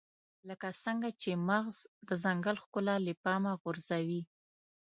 لکه څنګه چې مغز د ځنګل ښکلا له پامه غورځوي.